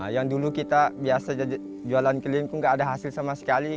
yang dulu kita biasa jualan keliling itu nggak ada hasil sama sekali